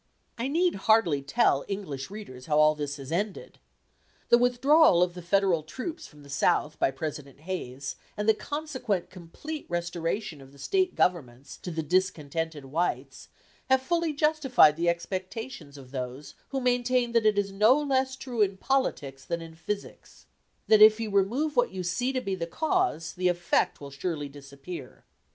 I need hardly tell English readers how all this has ended. The withdrawal of the Federal troops from the South by President Hayes, and the consequent complete restoration of the State governments to the discontented whites, have fully justified the expectations of those who maintained that it is no less true in politics than in physics, that if you remove what you see to be the cause, the effect will surely disappear.